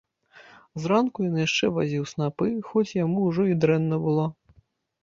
Зранку ён яшчэ вазіў снапы, хоць яму ўжо і дрэнна было.